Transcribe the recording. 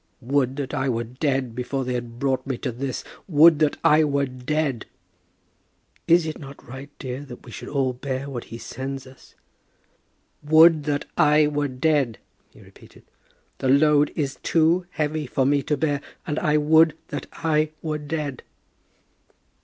"Would that I were dead, before they had brought me to this! Would that I were dead!" "Is it not right, dear, that we should all bear what He sends us?" "Would that I were dead!" he repeated. "The load is too heavy for me to bear, and I would that I were dead!"